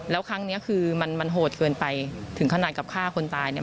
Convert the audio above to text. แล้วครั้งนี้คือมันมันโหดเกินไปถึงขนาดกับฆ่าคนตายเนี่ย